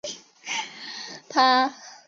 他曾在哈萨克国立大学主修生物技术。